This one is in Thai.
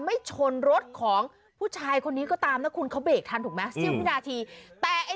มันจริงมันคอนเทสหรือเปล่าหรือล่ะ